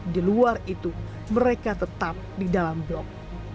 di luar itu mereka tetap di dalam blok